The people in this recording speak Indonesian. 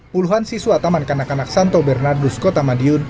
puluhan siswa taman kanak kanak santo bernardus kota madiun